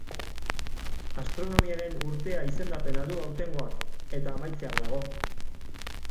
Astronomiaren urtea izendapena du aurtengoak eta amaitzear dago.